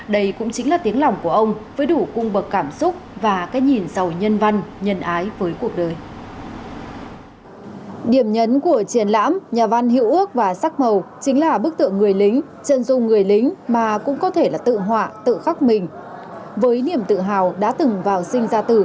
đấy là chủ đề thứ hai